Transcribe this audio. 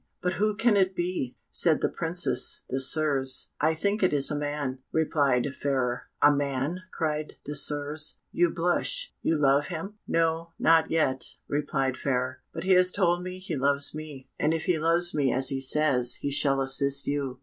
"But who can it be?" said the Princess Désirs. "I think it is a man," replied Fairer. "A man!" cried Désirs. "You blush you love him!" "No, not yet," replied Fairer; "but he has told me he loves me; and if he loves me as he says, he shall assist you."